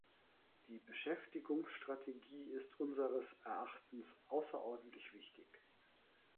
Die Beschäftigungsstrategie ist unseres Erachtens außerordentlich wichtig.